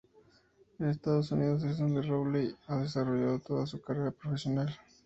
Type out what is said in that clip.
En Estados Unidos es donde Rowley ha desarrollado toda su carrera profesional.